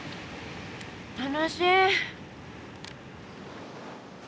楽しい！